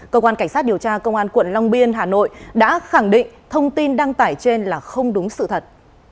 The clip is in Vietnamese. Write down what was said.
cơ quan cảnh sát điều tra công an quận long biên hà nội đã khẳng định thông tin đăng tải trên là không đúng sự thật